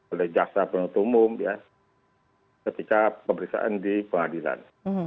oleh jasa penutup umum ketika pemeriksaan di pengadilan